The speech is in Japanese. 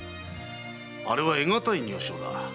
あれは得難い女性だ。